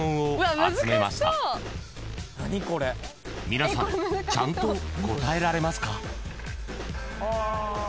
［皆さんちゃんと答えられますか？］